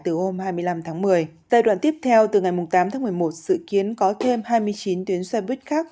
từ hôm hai mươi năm tháng một mươi giai đoạn tiếp theo từ ngày tám tháng một mươi một sự kiến có thêm hai mươi chín tuyến xe buýt khác